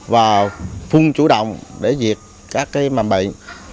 và phung chủ động để diệt các cái mầm bệnh